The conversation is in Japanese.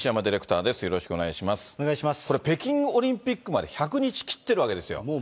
これ、北京オリンピックまで１００日切ってるわけですよ。